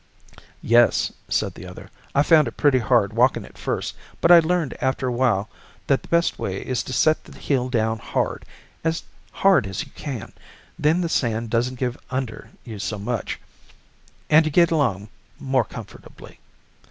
"Yes," said the other, "I found it pretty hard walking at first, but I learned after a while that the best way is to set the heel down hard, as hard as you can; then the sand doesn't give under you so much, and you get along more comfortably."